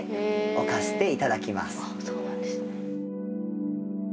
あっそうなんですね。